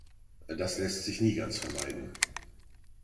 Das lässt sich nie ganz vermeiden.